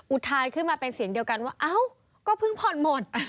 อุทานขึ้นมาเป็นเสียงเดียวกันว่าเอ้าก็เพิ่งผ่อนหมด